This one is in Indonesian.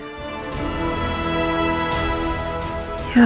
sedang berpikir keras